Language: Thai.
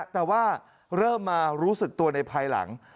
แต่ว่าเริ่มมารู้สึกตัวในภายหลัง